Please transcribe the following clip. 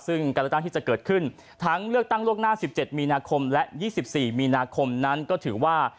ซึ่งการเลือกตั้งที่จะเกิดขึ้นทั้งเลือกตั้งล่วงหน้า๑๗มีนาคมและ๒๔มีนาคมนั้นก็ถือว่า